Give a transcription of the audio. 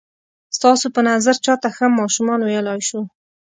ستاسو په نظر چاته ښه ماشومان ویلای شو؟